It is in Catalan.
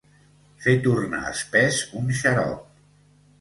Fer tornar espès un xarop.